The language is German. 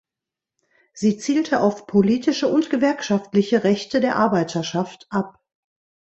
Sie zielte auf politische und gewerkschaftliche Rechte der Arbeiterschaft ab.